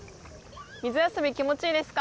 水遊び、気持ちいいですか？